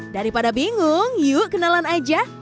daripada bingung yuk kenalan aja